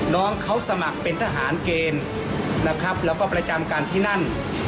น้องเขาสมัครเป็นทหารเกณฑ์นะครับแล้วก็ประจำกันที่นั่น